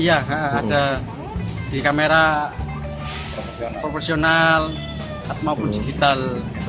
iya ada di kamera proporsional maupun digital